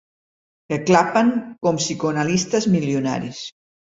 Que clapen com psicoanalistes milionaris.